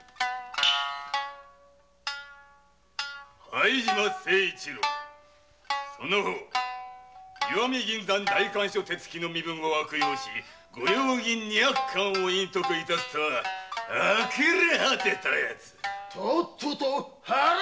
「配島誠一郎その方石見銀山代官所手付の身分を悪用し御用銀二百貫を隠匿致すとはあきれ果てたヤツ」「とっとと腹を切れ！」